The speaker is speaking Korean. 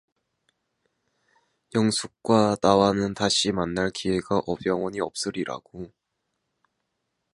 영숙과 나와는 다시 만날 기회가 영원히 없으리라고.